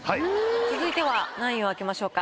続いては何位を開けましょうか？